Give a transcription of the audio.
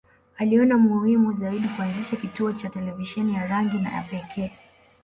Aliona muhimu zaidi kuanzisha kituo cha televisheni ya rangi na ya pekee